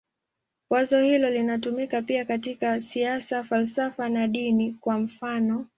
Wazo hilo linatumika pia katika siasa, falsafa na dini, kwa mfanof.